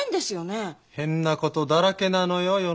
変なことだらけなのよ世の中は。